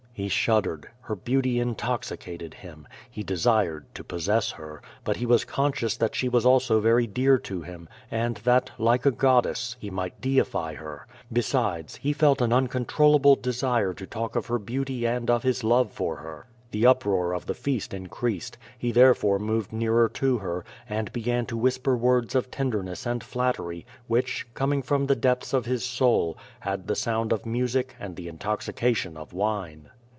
He shuddered. Her beauty intoxicated him. He desired to pos sess her, but he was conscious that she was also very dear to him, and that, like a goddess, he might deify her. Besides, he felt an uncontrollable desire to talk of her beauty and of his love for her. The uproar of the feast increased; he there fore moved nearer to her, and began to whisper words of tenderness and flattery, which, coming from the depths of his soul, had the sound of music and the intoxication of wine.